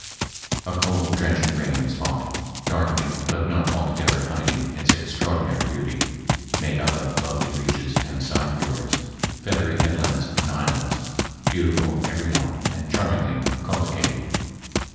A cold, drenching rain was falling, darkening but not altogether hiding its extraordinary beauty, made up of lovely reaches and side fiords, feathery headlands and islands, beautiful every one and charmingly collocated.